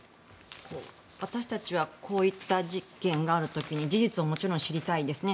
私たちはこういった事件がある時に事実をもちろん知りたいですね。